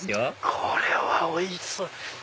これはおいしそう！